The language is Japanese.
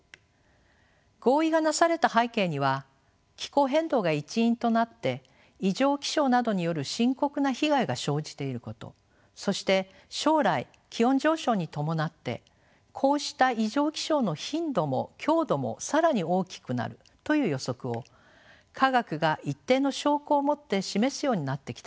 合意がなされた背景には気候変動が一因となって異常気象などによる深刻な被害が生じていることそして将来気温上昇に伴ってこうした異常気象の頻度も強度も更に大きくなるという予測を科学が一定の証拠をもって示すようになってきたことです。